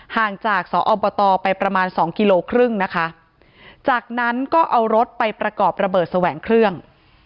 ห่างจากสอบตไปประมาณสองกิโลครึ่งนะคะจากนั้นก็เอารถไปประกอบระเบิดแสวงเครื่อง